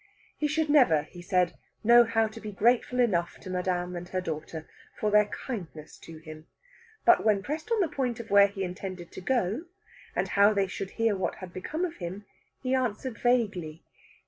He should never, he said, know how to be grateful enough to madame and her daughter for their kindness to him. But when pressed on the point of where he intended to go, and how they should hear what had become of him, he answered vaguely.